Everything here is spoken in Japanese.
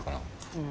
うん。